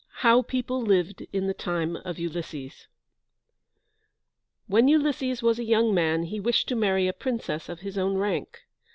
HOW PEOPLE LIVED IN THE TIME OF ULYSSES When Ulysses was a young man he wished to marry a princess of his own rank.